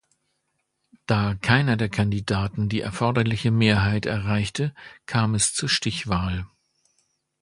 Da keiner der Kandidaten die erforderliche Mehrheit erreichte kam es zur Stichwahl.